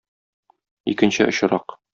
Икенче очрак.